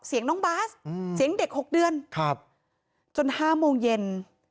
เสียงน้องบาสเสียงเด็ก๖เดือนจน๕โมงเย็น